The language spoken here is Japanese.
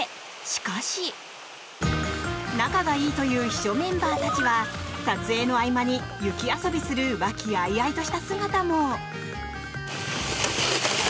しかし仲がいいという秘書メンバーたちは撮影の合間に雪遊びする和気あいあいとした姿も。